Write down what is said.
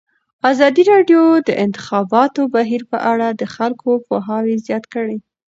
ازادي راډیو د د انتخاباتو بهیر په اړه د خلکو پوهاوی زیات کړی.